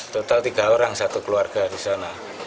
total tiga orang satu keluarga di sana